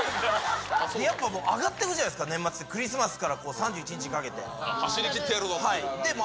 やっぱ上がってくじゃないですか、年末って、クリスマスから３１日走り切ってやるぞという。